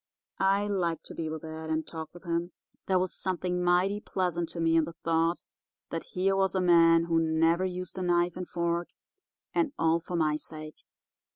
I liked to be with Ed and talk with him. There was something mighty pleasant to me in the thought that here was a man who never used a knife and fork, and all for my sake.